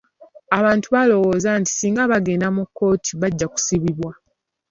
Abantu balowooza nti singa bagenda mu kkooti, bajja kusibwa.